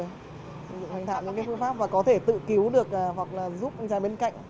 sử dụng thành thảo những cái phương pháp và có thể tự cứu được hoặc là giúp anh cháy bên cạnh